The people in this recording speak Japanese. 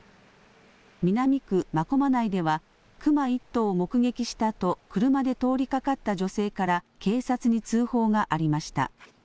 南区真駒内では、クマ１頭を目撃したと車で通りかかった女性から警察に通報がありました。